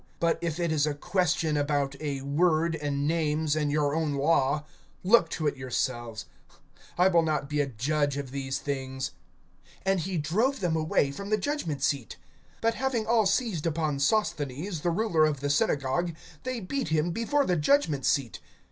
(15)But if it is a question about a word, and names, and your own law look to it yourselves; I will not be a judge of these things (16)And he drove them away from the judgment seat. (17)But having all seized upon Sosthenes, the ruler of the synagogue, they beat him before the judgment seat.